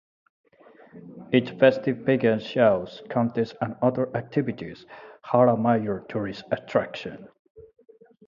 Its festive pageants, shows, contests and other activities are a major tourist attraction.